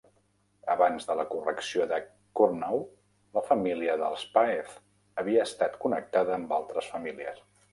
Abans de la correcció de Curnow, la "família" del páez havia estat connectada amb altres famílies.